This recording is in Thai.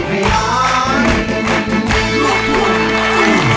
ร้องได้ให้ร้อง